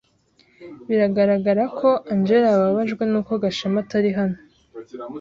Biragaragara ko Angella yababajwe nuko Gashema atari hano.